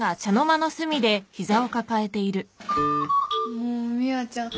もう美和ちゃん